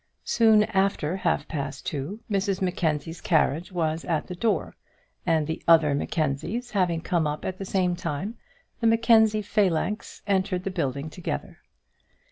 Soon after half past two Mrs Mackenzie's carriage was at the door, and the other Mackenzies having come up at the same time, the Mackenzie phalanx entered the building together.